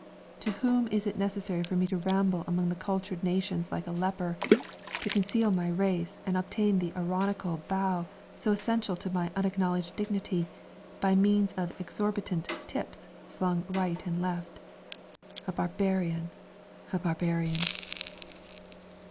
To whom is it necessary for me to ramble among the cultured nations like a leper, to conceal my race and obtain the ironical bow so essential to my unacknowledged dignity, by means of exorbitant "tips" flung right and left? A barbarian, a barbarian!...